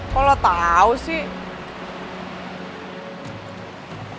kok lo tau sih